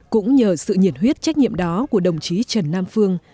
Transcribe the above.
cũng nhờ sự nhiệt huyết trách nhiệm đó của đồng chí trần nam phương